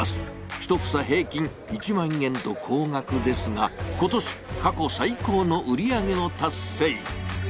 １房平均１万円と高額ですが今年、過去最高の売り上げを達成。